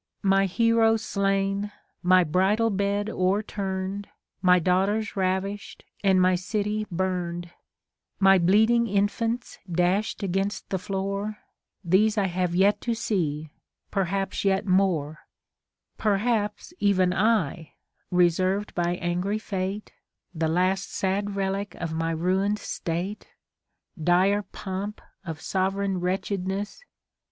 My heroes slain, my bridal bed o'erturn'd, My daughters ravish'd, and my city burn'd, My bleeding infants dash'd against the floor ; These I have yet to see, perhaps yet more 1 Perhaps even I, reserv'd by angry Fate, The last sad relic of my ruin'd state, (Dire pomp of sovereign wretchedness